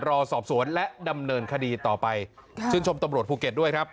รอสอบสวนและดำเนินคดีต่อไปค่ะชื่นชมตำรวจภูเก็ตด้วยครับ